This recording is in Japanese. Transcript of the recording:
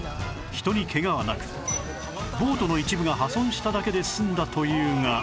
人にケガはなくボートの一部が破損しただけで済んだというが